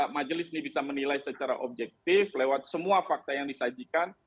majelis ini bisa menilai secara objektif lewat semua fakta yang disajikan